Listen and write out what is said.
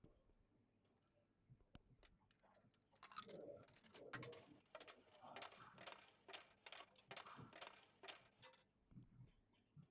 Euskal Herriko futbol selekzioarekin ere partida bi jokatu zituen.